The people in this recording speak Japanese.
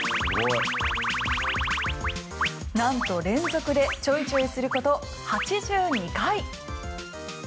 なんと連続でちょいちょいすること８２回。